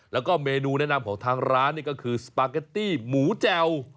แล้วก็เมนูแนะนำของทางร้านนี่ก็คือสปาเกตตี้หมูแจ่ว